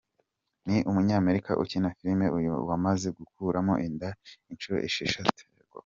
Ni umunyamerika ukina film, uyu we amaze gukuramo inda inshuro esheshatu.